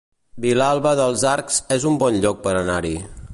Vilalba dels Arcs es un bon lloc per anar-hi